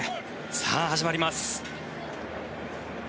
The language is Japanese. さあ、始まります。